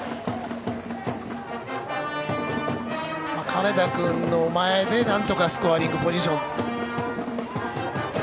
金田君の前でなんとかスコアリングポジション。